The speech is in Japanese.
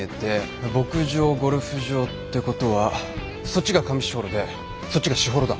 牧場ゴルフ場ってことはそっちが上士幌でそっちが士幌だ。